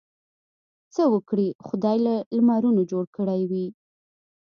څه وګړي خدای له لمرونو جوړ کړي وي.